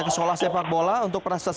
ke sholah sepak bola untuk perasaan